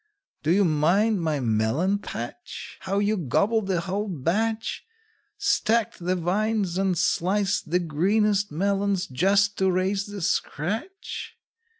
Do you mind my melon patch How you gobbled the whole batch, Stacked the vines, and sliced the greenest melons, just to raise the scratch?